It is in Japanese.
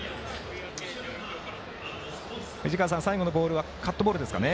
藤川さん、最後のボールカットボールですかね？